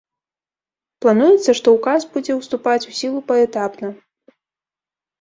Плануецца, што ўказ будзе ўступаць у сілу паэтапна.